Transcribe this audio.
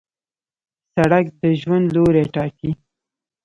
سړک د ژوند لوری ټاکي.